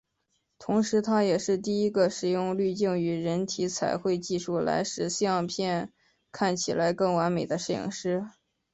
同时他也是第一个使用滤镜与人体彩绘技术来使相片看起来更完美的摄影师。